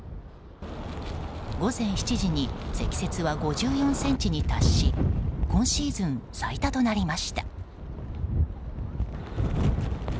午前７時に積雪は５４ｃｍに達し今シーズン最多となりました。